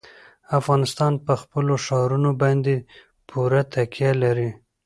افغانستان په خپلو ښارونو باندې پوره تکیه لري.